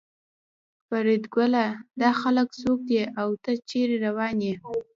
فریدګله دا خلک څوک دي او ته چېرې روان یې